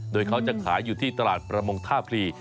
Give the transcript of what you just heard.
โดยเขาจะขายอยู่ที่ตลาดประมงท่าพลี